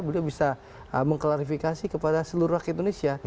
beliau bisa mengklarifikasi kepada seluruh rakyat indonesia